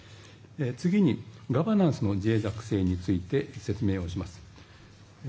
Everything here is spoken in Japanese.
次にガバナンスの脆弱性について説明をします。